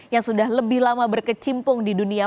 yang sudah lebih lama berkecimpung di dunia